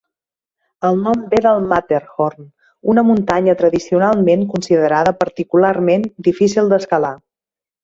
El nom ve del Matterhorn, una muntanya tradicionalment considerada particularment difícil d'escalar.